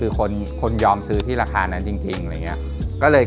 เรียกว่าเป็นงานเสริมดีกว่าเพราะว่ามันทำเงินเท่าไปร้องเพลงหรือเปล่าก็ไม่ใช่